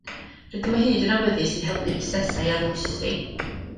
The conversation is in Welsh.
Rydym o hyd yn awyddus i helpu busnesau i arloesi